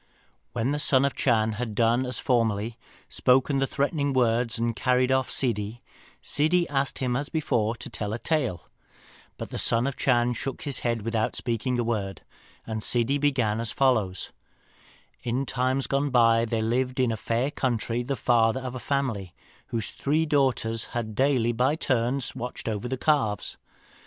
When the Son of the Chan had done as formerly, spoken the threatening words, and carried off Ssidi, Ssidi asked him as before to tell a tale; but the Son of the Chan shook his head without speaking a word, and Ssidi began as follows: "In times gone by there lived in a fair country the father of a family, whose three daughters had daily by turns to watch over the calves.